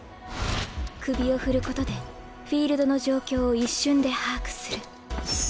首を振ることでフィールドの状況を一瞬で把握する。